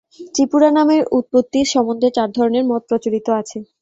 ত্রিপুরা নামের উৎপত্তি সম্বন্ধে চার ধরণের মত প্রচলিত আছে।